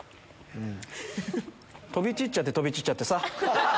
飛び散っちゃって飛び散っちゃってさ。